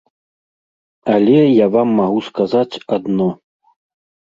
Але я вам магу сказаць адно.